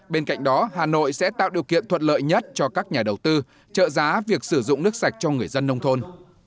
bên cạnh đó hà nội sẽ tạo điều kiện thuận lợi nhất cho các nhà đầu tư trợ giá việc sử dụng nước sạch cho người dân nông thôn